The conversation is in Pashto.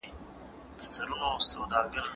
د هیلې په زړه کې ډېرې ماتې هیلې پرتې وې.